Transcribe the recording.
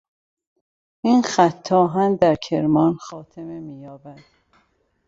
این خط آهن در کرمان خاتمه مییابد.